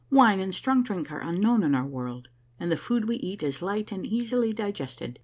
Wine and strong drink are unknown in our world, and the food we eat is light and easily digested.